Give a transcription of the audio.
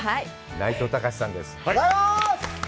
内藤剛志さんです。